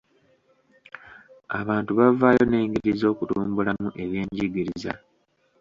Abantu bavaayo n'engeri z'okutumbulamu ebyenjigiriza.